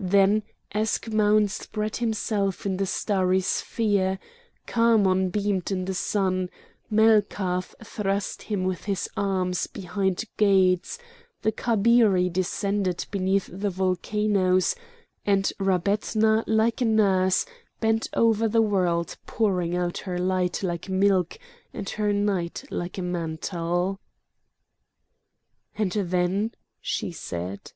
Then Eschmoun spread himself in the starry sphere; Khamon beamed in the sun; Melkarth thrust him with his arms behind Gades; the Kabiri descended beneath the volcanoes, and Rabetna like a nurse bent over the world pouring out her light like milk, and her night like a mantle." "And then?" she said.